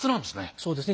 そうですね